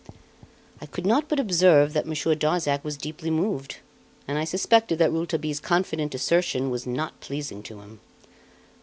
I could not but observe that Monsieur Darzac was deeply moved; and I suspected that Rouletabille's confident assertion was not pleasing to him.